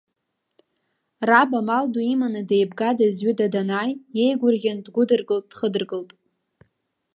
Раб амал ду иманы деибга-дызҩыда данааи, иеигәырӷьан дгәыдыркылт, дхыдыркылт.